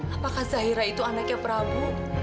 apakah zahira itu anaknya prabu